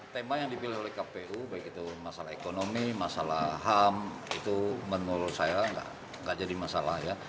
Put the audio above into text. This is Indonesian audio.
tema yang dipilih oleh kpu baik itu masalah ekonomi masalah ham itu menurut saya nggak jadi masalah ya